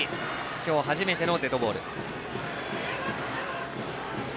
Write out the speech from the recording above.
今日初めてのデッドボール。